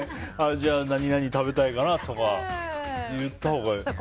じゃあ、何々食べたいかなとか言ったほうが。